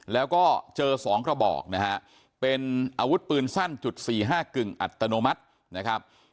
แล้วก็เจอ๒กระบอกนะฮะเป็นอาวุธปืนสั้นจุด๔๕กึ่งอัตโนมัตินะครับ